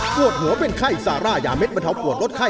ปวดหัวเป็นไข้ซาร่ายาเด็ดบรรเทาปวดลดไข้